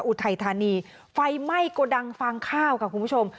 อุทัยธานีไฟไหม้โกดังฟางข้าวค่ะคุณผู้ชม